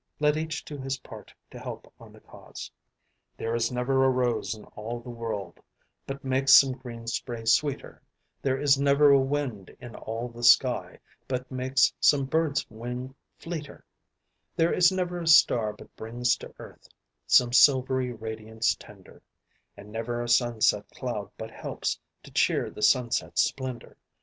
Let each do his part to help on the cause. "There is never a rose in all the world But makes some green spray sweeter; There is never a wind in all the sky But makes some bird's wing fleeter; There is never a star but brings to earth Some silvery radiance tender, And never a sunset cloud but helps To cheer the sunset's splendor.